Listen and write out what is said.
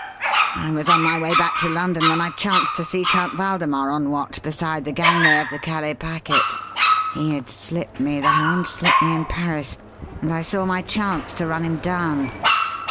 I was on my way back to London when I chanced to see Count Waldemar on watch beside the gangway of the Calais packet he had slipped me, the hound, slipped me in Paris and I saw my chance to run him down.